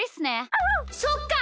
そっか。